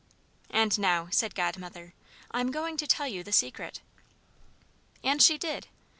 "And now," said Godmother, "I'm going to tell you the Secret." And she did.